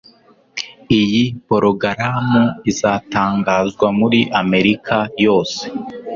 Iyo porogaramu izatangazwa muri Amerika yose